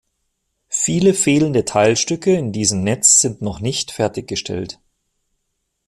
Viele fehlende Teilstücke in diesem Netz sind noch nicht fertiggestellt.